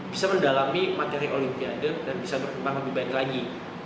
bisa mendalami materi olimpiade dan bisa berkembang lebih baik lagi